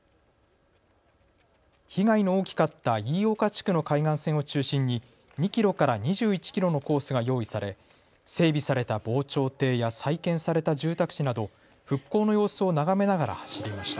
被害の大きかった飯岡地区の海岸線を中心に２キロから２１キロのコースが用意され整備された防潮堤や再建された住宅地など復興の様子を眺めながら走りました。